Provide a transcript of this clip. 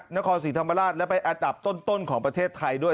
นครศรีธรรมราชและไปอันดับต้นของประเทศไทยด้วย